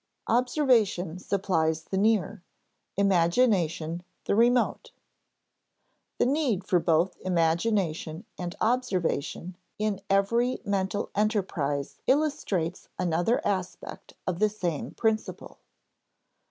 [Sidenote: Observation supplies the near, imagination the remote] The need for both imagination and observation in every mental enterprise illustrates another aspect of the same principle.